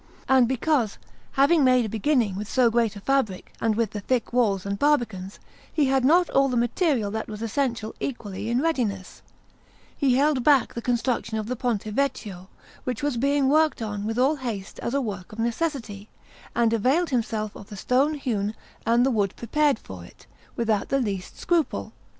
And because, having made a beginning with so great a fabric and with the thick walls and barbicans, he had not all the material that was essential equally in readiness, he held back the construction of the Ponte Vecchio, which was being worked on with all haste as a work of necessity, and availed himself of the stone hewn and the wood prepared for it, without the least scruple.